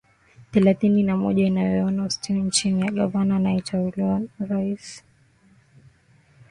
thelathini na moja inayoitwa ostan chini ya gavana anayeteuliwa na rais